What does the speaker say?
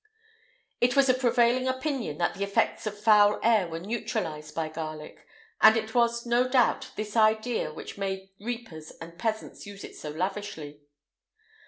[IX 187] It was a prevailing opinion that the effects of foul air were neutralized by garlic; and it was, no doubt, this idea which made reapers and peasants use it so lavishly.